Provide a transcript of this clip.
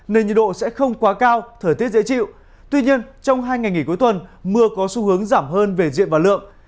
nên nhiệt độ sẽ không quá cao thời tiết dễ chịu tuy nhiên trong hai ngày nghỉ cuối tuần mưa có xu hướng giảm hơn về diện và lượng